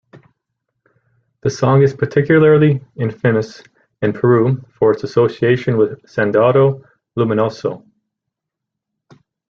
The song is particularly infamous in Peru for its association with Sendero Luminoso.